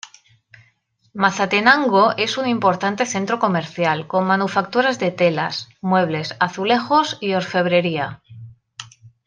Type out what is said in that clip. Mazatenango es un importante centro comercial, con manufacturas de telas, muebles, azulejos y orfebrería.